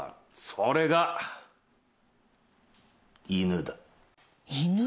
それが犬だ。